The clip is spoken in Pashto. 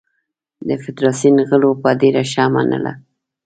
د فدراسیون غړو به ډېره ښه منله.